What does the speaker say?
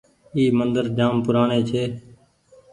اي مندر جآم پورآڻي ڇي۔